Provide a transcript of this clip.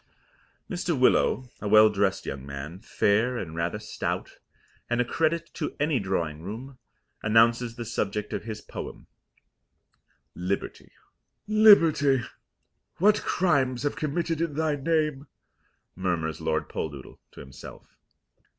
Mr. Willow, a well dressed young man, fair and rather stout, and a credit to any drawing room, announces the subject of his poem Liberty. "Liberty, what crimes have been committed in thy name!" murmurs Lord Poldoodle to himself.